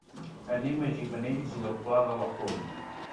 Anem a Gimenells i el Pla de la Font.